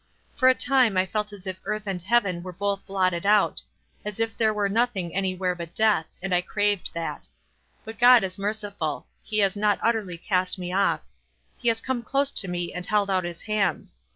For a time I felt as if earth and heaven were both blotted out ; as if there were nothing any where but death ; and I craved that. But God is merciful. He has not utterly cast me off. He has come close to me and held out his hands.